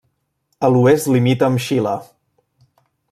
A l'oest limita amb Xile.